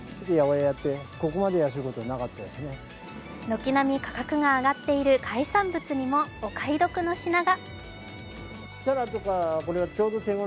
軒並み価格が上がっている海産物にもお買い得の品が。